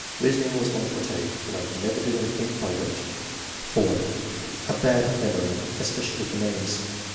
Reasoning was my forte, and I could never do anything by rote." 4. "A bad memory, especially for names."